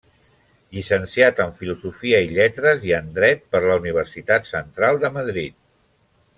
Llicenciat en Filosofia i Lletres i en Dret per la Universitat Central de Madrid.